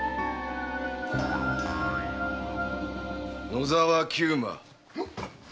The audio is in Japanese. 野沢久馬。